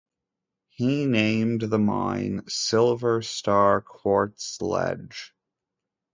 He named the mine Silver Star Quartz Ledge.